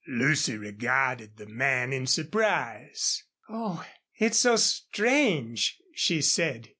Lucy regarded the man in surprise. "Oh, it's so strange!" she said.